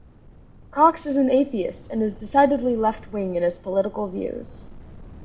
Cox is an atheist and is decidedly left wing in his political views.